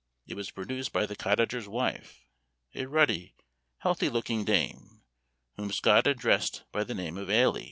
It was produced by the cottager's wife, a ruddy, healthy looking dame, whom Scott addressed by the name of Ailie.